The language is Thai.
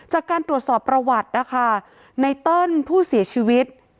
จากการตรวจสอบประวัตินะคะไนเติ้ลผู้เสียชีวิต